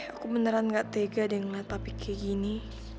aku beneran gak tega dengan latar pikir gini